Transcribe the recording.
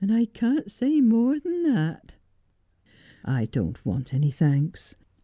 I can't say more than that.' ' I don't want any thanks.